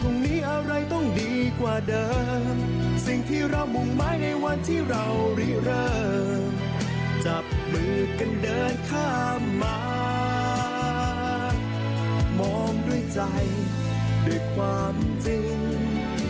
มองด้วยใจด้วยความจริง